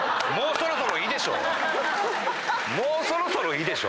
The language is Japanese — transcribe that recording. もうそろそろいいでしょ。